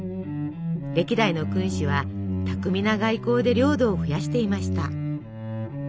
歴代の君主は巧みな外交で領土を増やしていました。